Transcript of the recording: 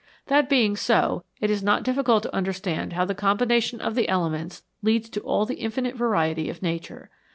That being so, it is not difficult to understand how the combination of the elements leads to all the infinite variety of nature.